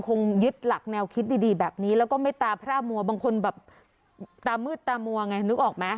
คงยึดหลักแนวคิดดีแบบนี้แล้วก็ไม่ตาพระมัวบางคนแบบตามืดตามัวไงนึกออกไหม